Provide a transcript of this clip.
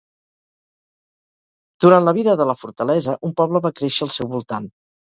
Durant la vida de la fortalesa, un poble va créixer al seu voltant.